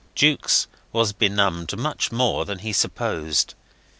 Jukes was benumbed much more than he supposed.